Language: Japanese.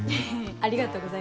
ありがとうございます。